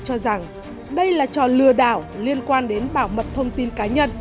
cho rằng đây là trò lừa đảo liên quan đến bảo mật thông tin cá nhân